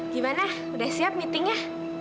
gimana udah siap meetingnya